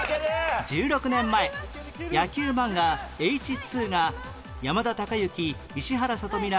１６年前野球マンガ『Ｈ２』が山田孝之石原さとみら